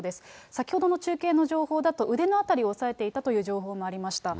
先ほどの中継の情報だと、腕のあたりを押さえていたという情報もありました。